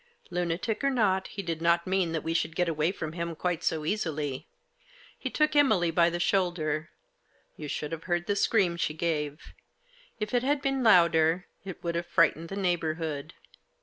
Lunatic or not, he did not mean that we should get away from him quite so easily. He took Emily by the shoulder — you should have heard the scream she gave ; if it had been louder it would have frightened the neighbourhood.